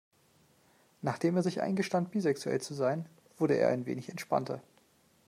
Nachdem er sich eingestand, bisexuell zu sein, wurde er ein wenig entspannter.